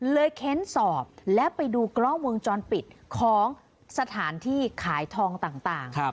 เค้นสอบและไปดูกล้องวงจรปิดของสถานที่ขายทองต่าง